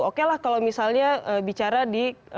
oke lah kalau misalnya bicara di